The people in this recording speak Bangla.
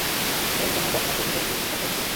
নইলে তোমার বর্তমান ভগ্নীপতির কী দুর্দশাই হত শৈল।